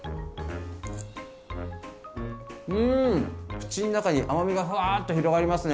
口ん中に甘みがふわっと広がりますね。